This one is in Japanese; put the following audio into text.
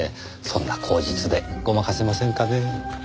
そんな口実でごまかせませんかねぇ。